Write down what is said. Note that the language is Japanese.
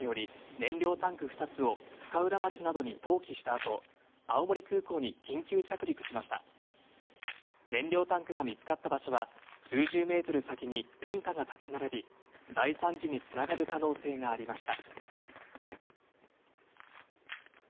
燃料タンクが見つかった場所は数十ｍ先に民家が立ち並び、大惨事につながる可能性がありました。